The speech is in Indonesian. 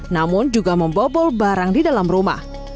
namun juga membobol barang di dalam rumah